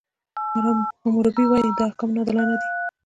حموربي وایي، دا احکام عادلانه دي.